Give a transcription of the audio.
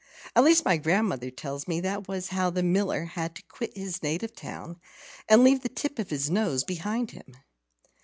At least, my grandmother tells me that was how the Miller had to quit his native town, and leave the tip of his nose behind him.